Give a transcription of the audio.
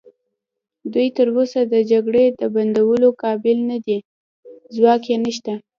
دوی تراوسه د جګړې د بندولو قابل نه دي، ځواک یې نشته.